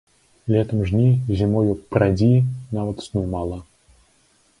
Летам жні, зімою прадзі, нават сну мала.